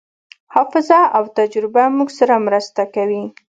حافظه او تجربه موږ سره مرسته کوي.